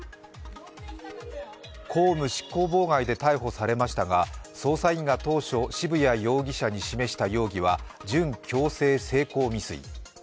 公務執行妨害で逮捕されましたが捜査員が当初、渋谷容疑者に示した容疑は準強制性交未遂。